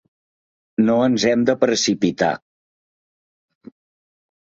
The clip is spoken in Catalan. No ens hem de precipitar.